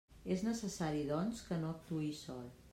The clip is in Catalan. És necessari, doncs, que no actuï sol.